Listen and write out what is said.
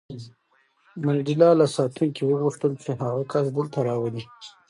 منډېلا له ساتونکي وغوښتل چې هغه کس دلته راولي.